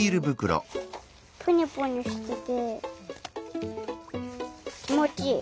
プニュプニュしててきもちいい。